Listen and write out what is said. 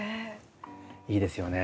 いいですよね。